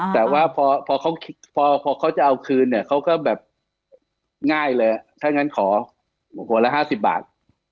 แต่ว่าพอเขาจะเอาคืนเนี่ยเขาก็แบบง่ายเลยถ้างั้นขอหัวละ๕๐บาท